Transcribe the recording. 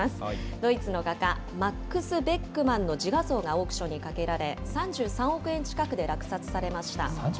ドイツの画家、マックス・ベックマンの自画像がオークションにかけられ、３３億円近くで落札されました。